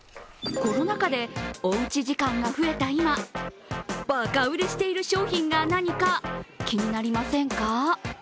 コロナ禍でおうち時間が増えた今、ばか売れしている商品が何か気になりませんか？